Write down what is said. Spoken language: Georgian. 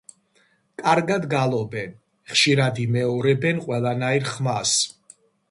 კარგად გალობენ, ხშირად იმეორებენ ყველანაირ ხმას.